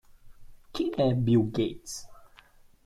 Quem é Bill Gates?